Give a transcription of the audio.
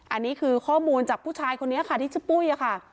อันนี้คือข้อมูลจากผู้ชายคนนี้ค่ะที่ชื่อปุ้ยค่ะ